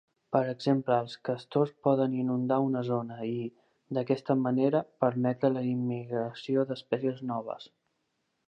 Per exemple els castors poden inundar una zona i, d'aquesta manera, permetre la immigració d'espècies noves.